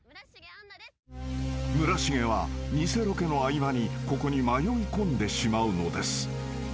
［村重は偽ロケの合間にここに迷いこんでしまうのです］